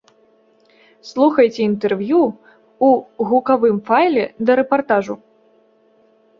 Слухайце інтэрв'ю ў гукавым файле да рэпартажу.